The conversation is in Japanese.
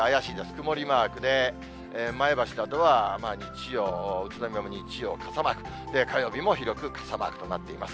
曇りマークで、前橋などは日曜、宇都宮も日曜、傘マーク、火曜日も広く傘マークとなっています。